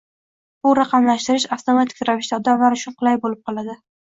bu raqamlashtirish avtomatik ravishda odamlar uchun qulay boʻlib qoladi.